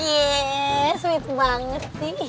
yeay sweet banget sih